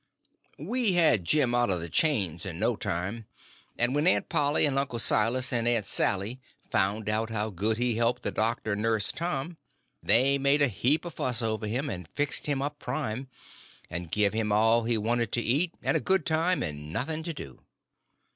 We had Jim out of the chains in no time, and when Aunt Polly and Uncle Silas and Aunt Sally found out how good he helped the doctor nurse Tom, they made a heap of fuss over him, and fixed him up prime, and give him all he wanted to eat, and a good time, and nothing to do.